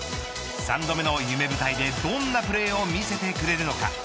３度目の夢舞台でどんなプレーを見せてくれるのか。